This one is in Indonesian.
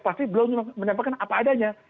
pasti belum menyampaikan apa adanya